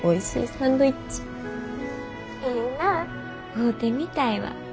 会うてみたいわ。